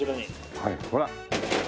はいほら。